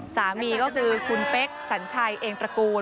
สามีก็คือคุณเป๊กสัญชัยเองตระกูล